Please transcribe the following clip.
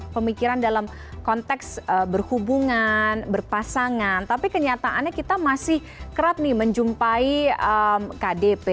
pemikiran dalam konteks berhubungan berpasangan tapi kenyataannya kita masih kerap nih menjumpai kdp